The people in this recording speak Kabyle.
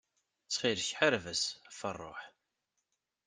Ttxil-k ḥareb-as ɣef ṛṛuḥ.